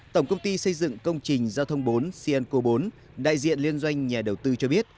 tổng công ty xây dựng công trình giao thông bốn cnco bốn đại diện liên doanh nhà đầu tư cho biết